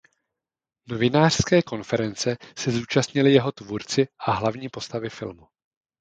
Novinářské konference se zúčastnili jeho tvůrci a hlavní postavy filmu.